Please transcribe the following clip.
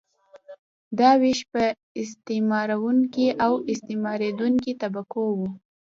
دا ویش په استثمارونکې او استثماریدونکې طبقو وو.